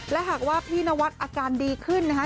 และหากว่าพี่นวัดอาการดีขึ้นนะคะ